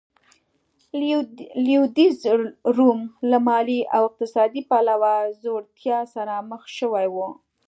لوېدیځ روم له مالي او اقتصادي پلوه ځوړتیا سره مخ شوی و.